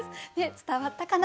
伝わったかな？